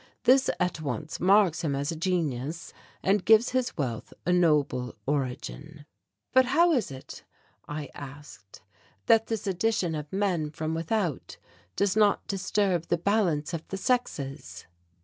This at once marks him as a genius and gives his wealth a noble origin." "But how is it," I asked, "that this addition of men from without does not disturb the balance of the sexes?"